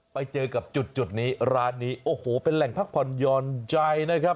ไปเจอกับจุดนี้ร้านนี้โอ้โหเป็นแหล่งพักผ่อนหย่อนใจนะครับ